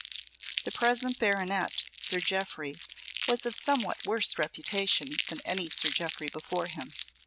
The present baronet, Sir Jeoffry, was of somewhat worse reputation than any Sir Jeoffry before him.